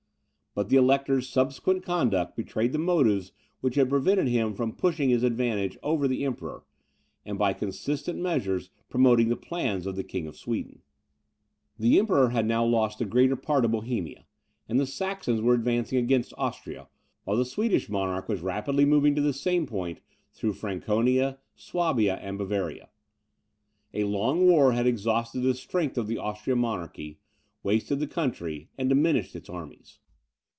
But the Elector's subsequent conduct betrayed the motives which had prevented him from pushing his advantage over the Emperor, and by consistent measures promoting the plans of the King of Sweden. The Emperor had now lost the greater part of Bohemia, and the Saxons were advancing against Austria, while the Swedish monarch was rapidly moving to the same point through Franconia, Swabia, and Bavaria. A long war had exhausted the strength of the Austrian monarchy, wasted the country, and diminished its armies.